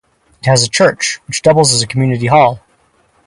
It has a church which doubles as a community hall.